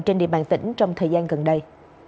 trên địa bàn tỉnh trong thời gian gần đây